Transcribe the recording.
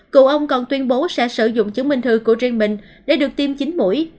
cựu ông còn tuyên bố sẽ sử dụng chứng minh thư của riêng mình để được tiêm chín mũi